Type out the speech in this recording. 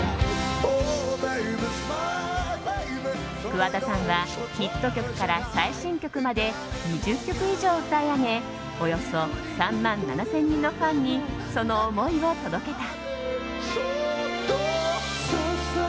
桑田さんは、ヒット曲から最新曲まで２０曲以上を歌い上げおよそ３万７０００人のファンにその思いを届けた。